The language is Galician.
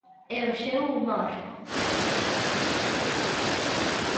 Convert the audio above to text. E o seu humor.